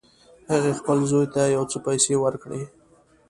هغې خپل زوی ته یو څه پیسې ورکړې